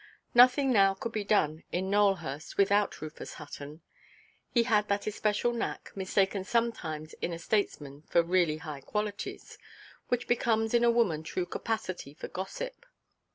Nothing now could be done in Nowelhurst without Rufus Hutton. He had that especial knack (mistaken sometimes in a statesman for really high qualities) which becomes in a woman true capacity for gossip.